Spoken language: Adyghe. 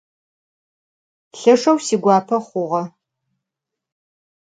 Lheşşeu siguape xhuğe!